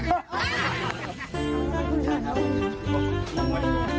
โอเค